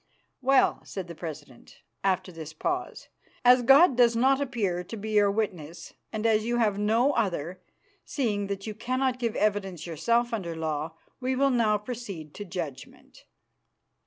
"Well," said the president, after this pause, "as God does not appear to be your witness, and as you have no other, seeing that you cannot give evidence yourself under the law, we will now proceed to judgment."